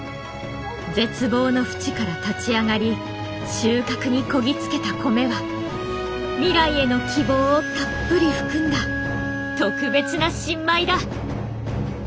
絶望のふちから立ち上がり収穫にこぎつけた米は未来への希望をたっぷり含んだ特別な新米だ。